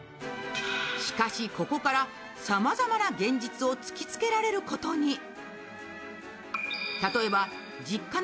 しかし、ここからさまざまな現実を突きつけられることに。